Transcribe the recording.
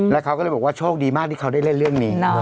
แล้วเขาก็เลยบอกว่าโชคดีมากที่เขาได้เล่นเรื่องนี้